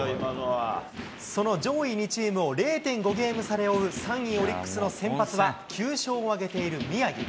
その上位２チームを０．５ゲーム差で追う３位オリックスの先発は、９勝を挙げている宮城。